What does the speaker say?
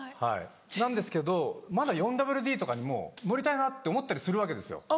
なんですけどまだ４ＷＤとかにも乗りたいなぁって思ったりするわけですよ。